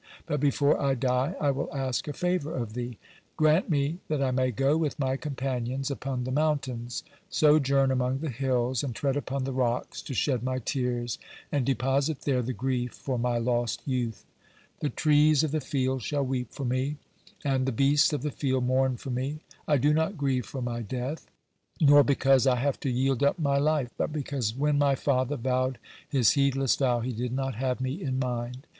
But before I die I will ask a favor of thee. Grant me that I may go with my companions upon the mountains, sojourn among the hills, and tread upon the rocks to shed my tears and deposit there the grief for my lost youth. The trees of the field shall weep for me, and the beasts of the field mourn for me. I do not grieve for my death, nor because I have to yield up my life, but because when my father vowed his heedless vow, he did not have me in mind.